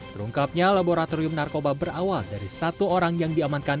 terungkapnya laboratorium narkoba berawal dari satu orang yang diamankan